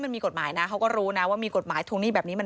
มันมีกฎหมายนะเขาก็รู้นะว่ามีกฎหมายทวงหนี้แบบนี้